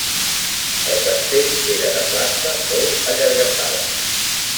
El castell era de planta molt allargassada.